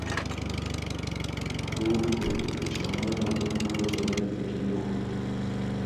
پروت و، چې عموماً د اوبو جریان پکې لږ و.